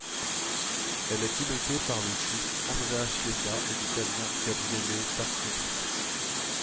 Elle est pilotée par le Suisse Andrea Chiesa et l'Italien Gabriele Tarquini.